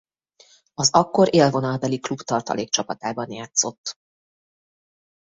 Az akkor élvonalbeli klub tartalékcsapatában játszott.